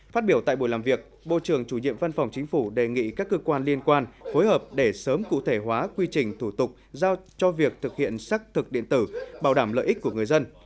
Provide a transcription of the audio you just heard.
phát biểu tại buổi làm việc bộ trưởng chủ nhiệm văn phòng chính phủ đề nghị các cơ quan liên quan phối hợp để sớm cụ thể hóa quy trình thủ tục giao cho việc thực hiện xác thực điện tử bảo đảm lợi ích của người dân